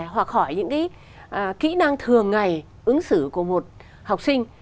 hoặc hỏi những cái kỹ năng thường ngày ứng xử của một học sinh